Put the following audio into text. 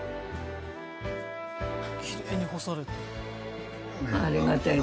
きれいに干されて。